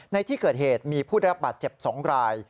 ในที่เกิดเหตุมีผู้ได้รับบาดเจ็บ๒ราย